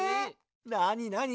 なになに？